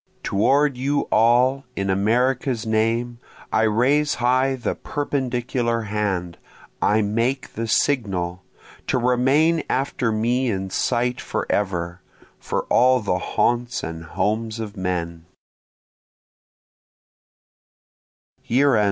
Toward you all, in America's name, I raise high the perpendicular hand, I make the signal, To remain after me in sight forever, For all the haunts and homes of men.